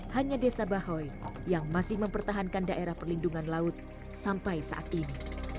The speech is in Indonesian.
hanya desa bahoy yang masih mempertahankan daerah perlindungan laut sampai saat ini